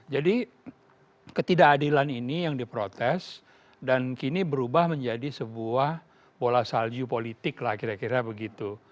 jadi ketidakadilan ini yang diprotes dan kini berubah menjadi sebuah bola salju politik lah kira kira begitu